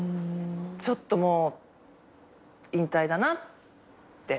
ちょっともう引退だなって。